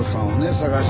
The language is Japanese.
探して。